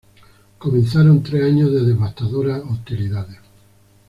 Comenzaron tres años de devastadoras hostilidades.